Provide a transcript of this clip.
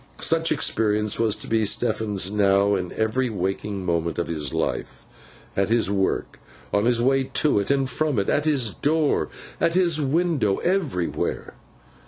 Such experience was to be Stephen's now, in every waking moment of his life; at his work, on his way to it and from it, at his door, at his window, everywhere.